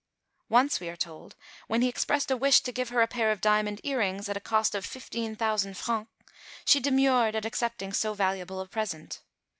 Once, we are told, when he expressed a wish to give her a pair of diamond ear rings at a cost of fifteen thousand francs, she demurred at accepting so valuable a present.